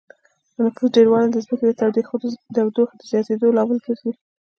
د نفوس ډېروالی د ځمکې د تودوخې د زياتېدو لامل ګرځي